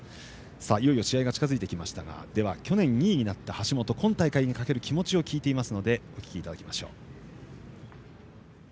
いよいよ試合が近づいてきましたが去年２位になった橋本の今大会にかける気持ちを聞いています。